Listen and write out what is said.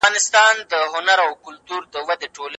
که مورنۍ ژبه وي، نو په زده کړه کې ډاډ کمېږي.